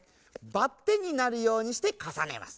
バッテンになるようにしてかさねます。